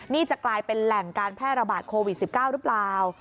นี่จะกลายเป็นแหล่งการแพร่ระบาดโควิด๑๙หรือเปล่า